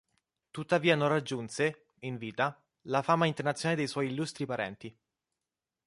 Tuttavia non raggiunse, in vita, la fama internazionale dei suoi illustri parenti.